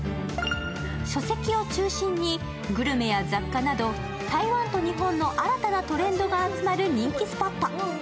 書籍を中心にグルメや雑貨など台湾と日本の新たなトレンドが集まる人気スポット。